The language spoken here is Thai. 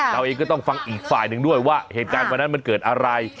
เราเองก็ต้องฟังอีกฝ่ายหนึ่งด้วยว่าเหตุการณ์วันนั้นมันเกิดอะไร